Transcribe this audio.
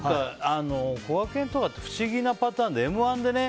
こがけんとかって不思議なパターンで「Ｍ‐１」でね